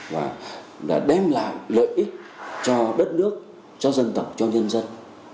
và đem lại lợi ích cho đất nước cho dân tộc cho nhân dân